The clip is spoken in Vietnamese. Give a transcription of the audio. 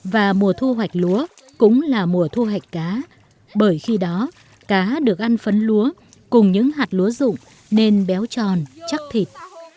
và mùa thu hoạch lúa cũng là mùa thu hạch cá bởi khi đó cá được ăn phấn lúa cùng những hạt lúa dụng nên béo tròn chắc thịt